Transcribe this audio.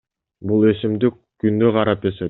Бул өсүмдүк күндү карап өсөт.